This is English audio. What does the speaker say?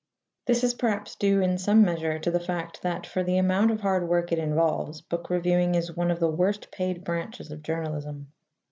This is perhaps due in some measure to the fact that, for the amount of hard work it involves, book reviewing is one of the worst paid branches of journalism.